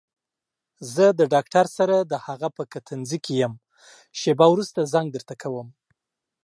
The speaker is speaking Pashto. زه د ډاکټر سره دهغه په کتنځي کې يم شېبه وروسته زنګ درته کوم.